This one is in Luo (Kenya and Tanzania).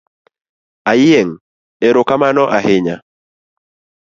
Ayieng’ erokamano ahinya.